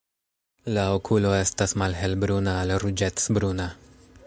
La okulo estas malhelbruna al ruĝecbruna.